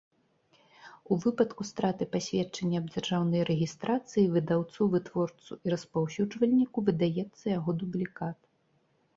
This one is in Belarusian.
У выпадку страты пасведчання аб дзяржаўнай рэгiстрацыi выдаўцу, вытворцу i распаўсюджвальнiку выдаецца яго дублiкат.